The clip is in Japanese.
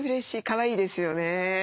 かわいいですよね。